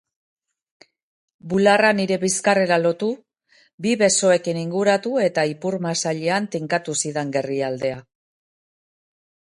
Bularra nire bizkarrera lotu, bi besoekin inguratu eta ipurmasailean tinkatu zidan gerrialdea.